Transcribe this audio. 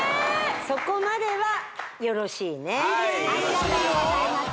そこまではよろしいねありがとうございます